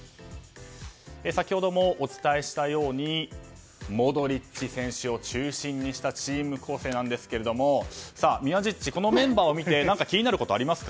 先ほどもお伝えしたようにモドリッチ選手を中心にしたチーム構成ですが宮司ッチ、このメンバーを見て何か気になることありますか？